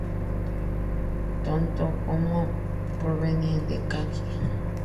Tanto き como キ provienen del kanji 幾.